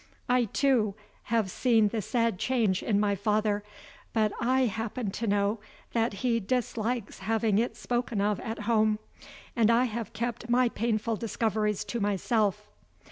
I, too, have seen the sad change in my father; but I happen to know that he dislikes having it spoken of at home, and I have kept my painful discoveries to myself.